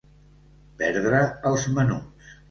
Perdre els menuts.